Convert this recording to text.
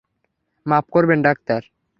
মাফ করবেন ডাক্তার।